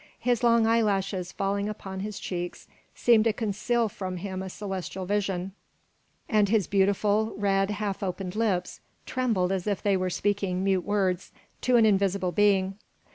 His long eyelashes falling upon his cheeks seemed to conceal from him a celestial vision, and his beautiful, red, half open lips trembled as if they were speaking mute words to an invisible being.